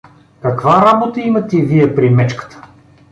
… Каква работа имате вие при мечката?